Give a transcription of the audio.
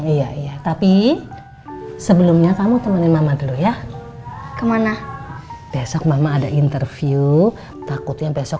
iya iya tapi sebelumnya kamu temenin mama dulu ya kemana besok mama ada interview takutnya besok